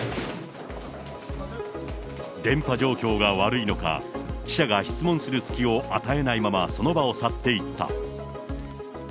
電波状況が悪いのか、記者が質問する隙を与えないまま、その場を去っていった。